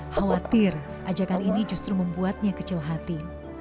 khawatir ajakan ini justru membuatnya kecil hati